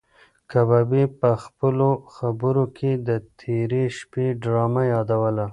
کبابي په خپلو خبرو کې د تېرې شپې ډرامه یادوله.